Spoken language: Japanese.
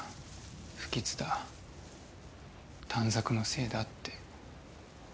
不吉だ短冊のせいだって。